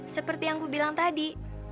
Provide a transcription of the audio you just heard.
seperti yang kubilang tadi